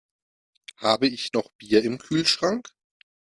Habe ich noch Bier im Kühlschrank?